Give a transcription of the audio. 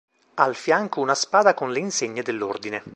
Al fianco una spada con le insegne dell'ordine.